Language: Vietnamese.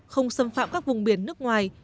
không xâm phạm các vùng biển nước ngoài